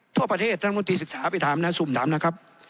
ทั่วประเทศท่านมนตรีศึกษาไปถามนะสุ่มถามนะครับ